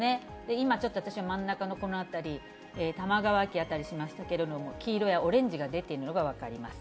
今、ちょっと私は真ん中のこの辺り、多摩川辺りしましたけれども、黄色やオレンジが出ているのが分かります。